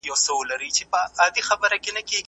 هغوی تېر کال يو ښه پلان جوړ کړ.